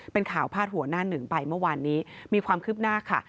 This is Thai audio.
เป็นข่าวพาดหัวหน้าหนึ่งไปเมื่อวานนี้มีความคืบหน้าค่ะ